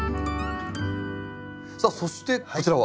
さあそしてこちらは？